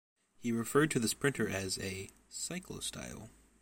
He referred to this printer as a "Cyclostyle".